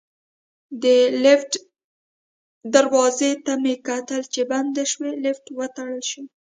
د لفټ دروازې ته مې کتل چې بنده شوې، لفټ وتړل شو.